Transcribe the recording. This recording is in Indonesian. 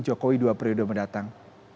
kokoi dua periode mendatang